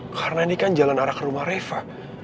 karena ini kan jalan arah ke rumah reva